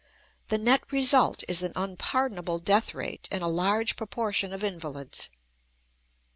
The net result is an unpardonable death rate and a large proportion of invalids.